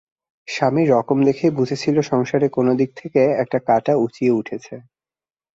স্বামীর রকম দেখেই বুঝেছিল সংসারে কোনো দিক থেকে একটা কাঁটা উচিয়ে উঠেছে।